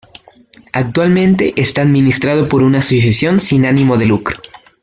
Actualmente está administrado por una asociación sin ánimo de lucro.